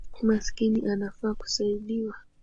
Maskini anafaa kusaidiwa